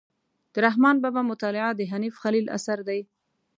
د رحمان بابا مطالعه د حنیف خلیل اثر دی.